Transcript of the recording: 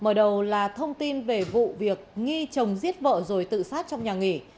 mở đầu là thông tin về vụ việc nghi chồng giết vợ rồi tự sát trong nhà nghỉ